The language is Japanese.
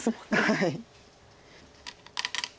はい。